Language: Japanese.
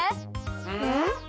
うん？